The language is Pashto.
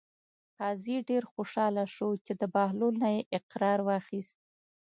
قاضي ډېر خوشحاله شو چې د بهلول نه یې اقرار واخیست.